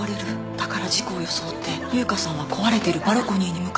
だから事故を装って優香さんは壊れているバルコニーに向かったんです。